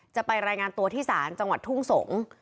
จะไปรายงานตัวที่ศาลจังหวัดทุ่งสงศ์